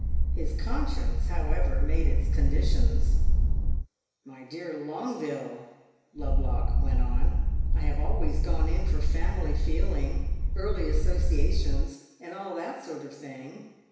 His conscience, however, made its conditions. "My dear Longueville," Lovelock went on, "I have always gone in for family feeling, early associations, and all that sort of thing.